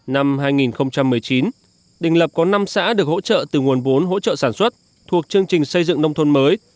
năm hai nghìn một mươi chín đình lập có năm xã được hỗ trợ từ nguồn vốn hỗ trợ sản xuất thuộc chương trình xây dựng nông thôn mới